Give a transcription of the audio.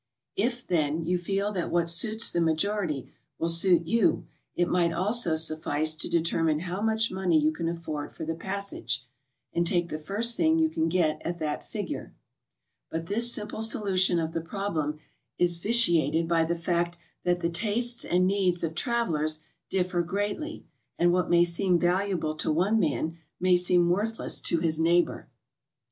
If, then, you feel that what suits the majority will suit you, it might almost suffice to determine how much money you can afford for the passage, and take the first thing you can get at that figure. But this simple solution of the prob lem is vitiated by the fact that the tastes and needs of trav elers differ greatly, and what may seem valuable to one man may seem worthless to his neighbor.